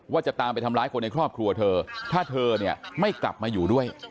ว่าจะตามไปทำร้ายคนในครอบครัวเธอถ้าเธอเนี่ยไม่กลับมาอยู่ด้วย